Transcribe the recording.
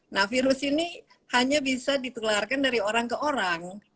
nah virus ini hanya bisa ditularkan dari orang ke orang